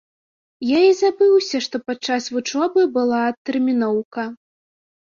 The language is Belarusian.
Я і забыўся, што падчас вучобы была адтэрміноўка.